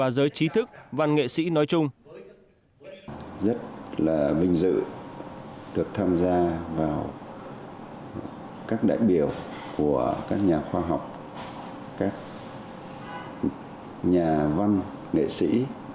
rất là vinh dự được tham gia vào các đại biểu của các nhà khoa học các nhà văn nghệ sĩ